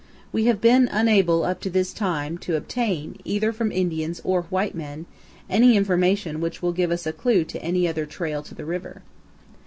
We have been unable up to this time to obtain, either from Indians or white men, any information which will give us a clue to any other trail to the river.